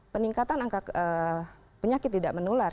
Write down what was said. peningkatan angka penyakit tidak menular